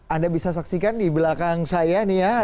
anda bisa saksikan di belakang saya nih ya